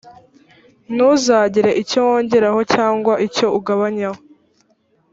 ntuzagire icyo wongeraho cyangwa icyo ugabanyaho.